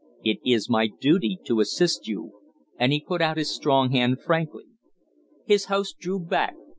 It is my duty to assist you." And he put out his strong hand frankly. His host drew back.